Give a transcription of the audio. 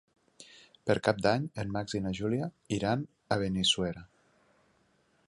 Per Cap d'Any en Max i na Júlia iran a Benissuera.